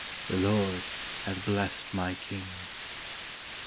"The Lord hath blessed my King."